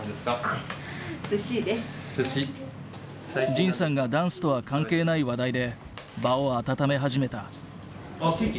仁さんがダンスとは関係ない話題で場を温め始めた。